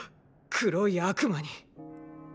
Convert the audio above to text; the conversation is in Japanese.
黒い悪魔。